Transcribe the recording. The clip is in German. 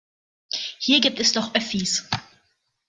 Hier gibt es doch Öffis.